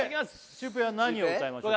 シュウペイは何を歌いましょうか？